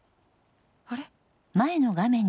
あれ？